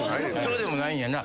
そうでもないんやな。